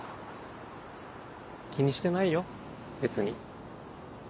気にしてないよ別に。